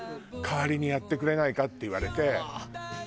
「代わりにやってくれないか？」って言われて。